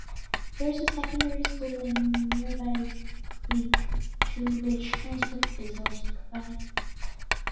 There is a secondary school in nearby Leek, to which transport is also provided.